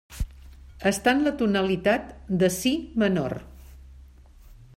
Està en la tonalitat de si menor.